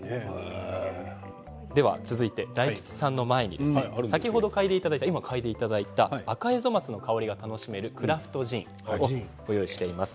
続いて大吉さんの前に先ほど嗅いでいただいたアカエゾマツの香りが楽しめるクラフトジン、ご用意しています。